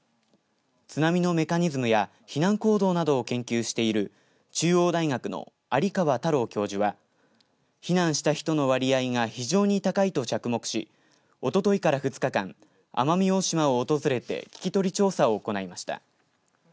津波のメカニズムや避難行動などを研究している中央大学の有川太郎教授は避難した人の割合が非常に高いと着目しおとといから２日間奄美大島を訪れて聞き取り調査を行いました。